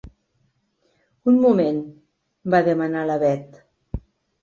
Un moment —va demanar la Bet—.